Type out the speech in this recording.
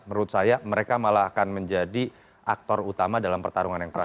menurut saya mereka malah akan menjadi aktor utama dalam pertarungan yang terakhir